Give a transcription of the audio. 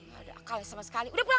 gak ada akal sama sekali udah pulang